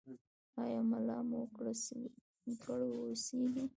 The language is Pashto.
ایا ملا مو کړوسیږي؟